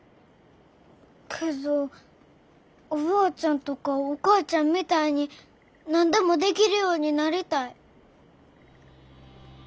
けどおばあちゃんとかお母ちゃんみたいに何でもできるようになりたい。